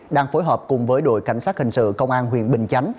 đang phối hợp cùng với đội cảnh sát hình sự công an huyện bình chánh